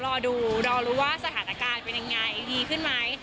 หลอกดูรู้สถานการณ์เป็นยังไงดีขึ้นไหม